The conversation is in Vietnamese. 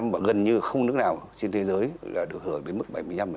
và gần như không nước nào trên thế giới là được hưởng đến mức bảy mươi năm